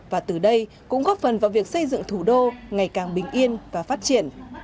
và từ đây cũng góp phần vào việc xây dựng thủ đô ngày càng bình yên và phát triển